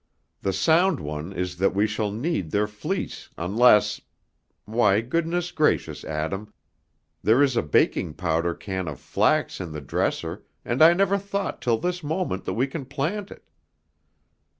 The sound one is that we shall need their fleece unless, why, goodness gracious, Adam, there is a baking powder can of flax in the dresser, and I never thought till this moment that we can plant it."